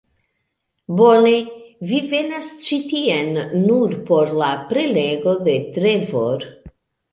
Bone, vi venas ĉi tien nur por la prelego de Trevor